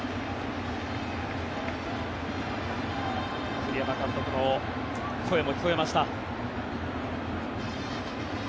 栗山監督の声も聞こえました。